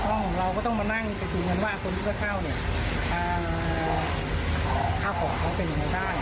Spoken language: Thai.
๖ห้องเราก็ต้องมานั่งถือเงินว่าคนที่จะเข้าค่าของเขาเป็นอยู่ในด้าน